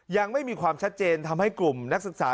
ยังไม่มีความชัดเจนทำให้กลุ่มนักศึกษา